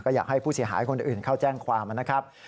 อยากให้ผู้เสียหายคนอื่นเข้าแจ้งความนะครับ